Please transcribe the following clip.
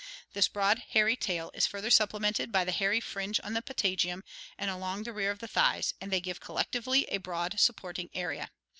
This broad hairy tail is further supplemented by the hairy fringe on the patagium and along the rear of the thighs, and they give collectively a broad supporting area.